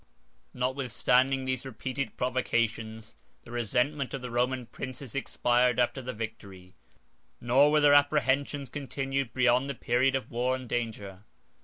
] Notwithstanding these repeated provocations, the resentment of the Roman princes expired after the victory; nor were their apprehensions continued beyond the period of war and danger.